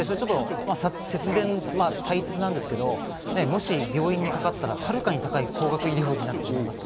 節電、大切なんですけれども、もし病院にかかったら、はるかに高い高額医療となってしまいます。